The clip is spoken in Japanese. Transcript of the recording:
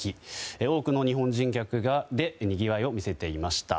多くの日本人客でにぎわいを見せていました。